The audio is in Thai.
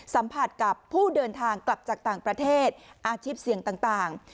สัมผัสกับผู้เดินทางกลับจากต่างประเทศอาชีพเสี่ยงต่าง